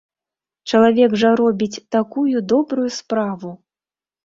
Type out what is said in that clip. Чалавек жа робіць такую добрую справу.